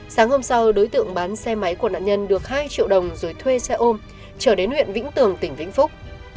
sáng hôm sau đối tượng bán xe máy của nạn nhân được hai triệu đồng rồi thuê xe ôm trở đến huyện vĩnh tường tỉnh vĩnh phúc